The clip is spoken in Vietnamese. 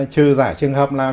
trừ giả trường hợp nào